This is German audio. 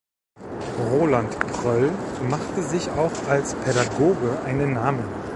Roland Pröll machte sich auch als Pädagoge einen Namen.